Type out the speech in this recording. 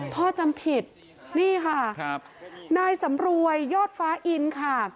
พ่อจำผิดนี่ค่ะนายสำรวยยอดฟ้าอินค่ะ